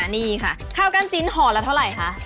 นี่ค่ะข้าวก้านจิ้นหอลแล้วเท่าไหร่ค่ะ